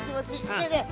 ねえねえ